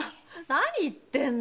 何言ってんだよ